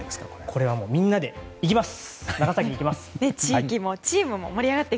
これはもうみんなで行きます。